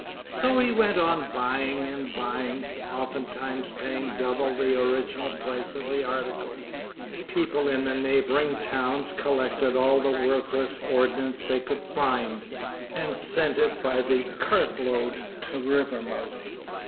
So he went on buying and buying, oftentimes paying double the original price of the article. People in the neighboring towns collected all the worthless ordnance they could find, and sent it by the cart load to Rivermouth.